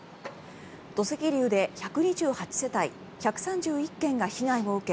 土石流で１２８世帯１３１軒が被害を受け